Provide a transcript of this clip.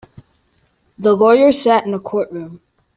The lawyer sat in the courtroom.